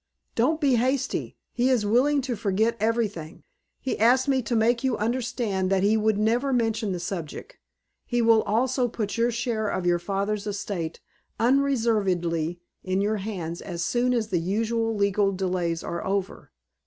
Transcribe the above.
"Don't be hasty. He is willing to forget everything he asked me to make you understand that he would never mention the subject. He will also put your share of your father's estate unreservedly in your hands as soon as the usual legal delays are over.